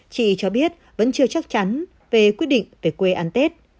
chị cho biết vẫn chưa chắc chắn về quyết định về quê ăn tết